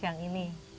pas yang ini